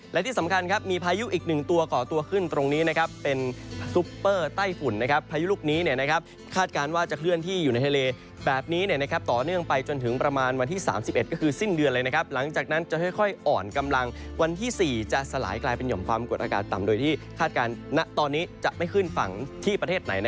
และที่สำคัญครับมีพายุอีกหนึ่งตัวก่อตัวขึ้นตรงนี้นะครับเป็นซุปเปอร์ใต้ฝุ่นนะครับพายุลูกนี้เนี่ยนะครับคาดการณ์ว่าจะเคลื่อนที่อยู่ในทะเลแบบนี้เนี่ยนะครับต่อเนื่องไปจนถึงประมาณวันที่สามสิบเอ็ดก็คือสิ้นเดือนเลยนะครับหลังจากนั้นจะค่อยค่อยอ่อนกำลังวันที่สี่จะสลายกลายเป็นหย่อมความป